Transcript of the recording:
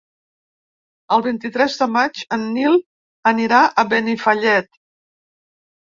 El vint-i-tres de maig en Nil anirà a Benifallet.